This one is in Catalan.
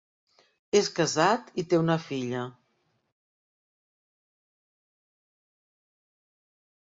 És casat i té una filla.